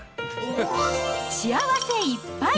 幸せいっぱい！